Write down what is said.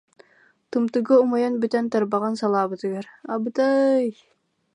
Тымтыга умайан бүтэн тарбаҕын салаабытыгар: «Абыта-ай